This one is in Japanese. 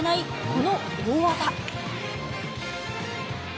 この大技。